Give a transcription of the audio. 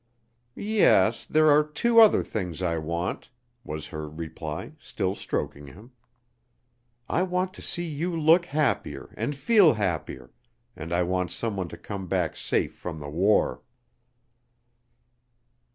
"Yes, there are two other things I want," was her reply, still stroking him; "I want to see you look happier, and feel happier, and I want some one to come back safe from the war."